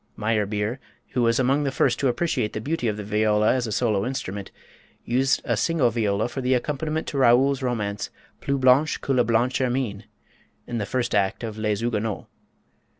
Meyerbeer, who was among the first to appreciate the beauty of the viola as a solo instrument, used a single viola for the accompaniment to Raoul's romance, "Plus blanche que la blanche hermine," in the first act of "Les Huguenots."